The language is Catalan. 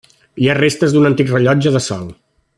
Hi ha restes d'un antic rellotge de sol.